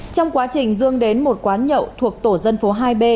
trong quá trình dương đến một quán nhậu thuộc tổ dân phố hai b